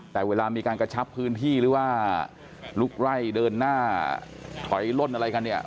แต่เวลามีการกระชับพื้นที่หรือว่าลุกไล่เดินหน้าถอยล่นอะไรกันเนี่ย